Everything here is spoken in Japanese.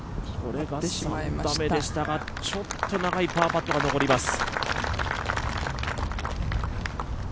ちょっと長いパーパットが残ります。